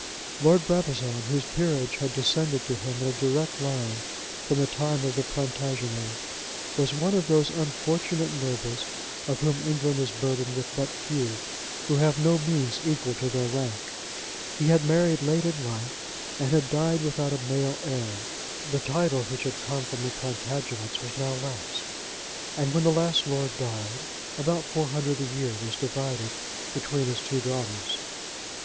Lord Brabazon, whose peerage had descended to him in a direct line from the time of the Plantagenets, was one of those unfortunate nobles of whom England is burdened with but few, who have no means equal to their rank. He had married late in life, and had died without a male heir. The title which had come from the Plantagenets was now lapsed; and when the last lord died, about four hundred a year was divided between his two daughters.